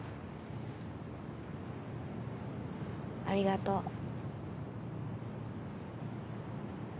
ありがとう。